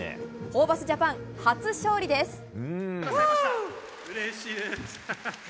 ホーバスジャパン、初勝利です。